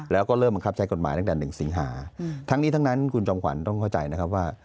แล้วก็เริ่มบังคับใช้กฎหมายตั้งแต่๑สิงหาทั้งนี้ทั้งนั้นคุณจอมขวัญต้องเข้าใจนะครับว่า